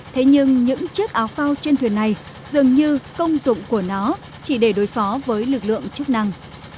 thế nhưng những chiếc áo phao trên thuyền này dường như công dụng của nó chỉ để đối phó với lực lượng chức năng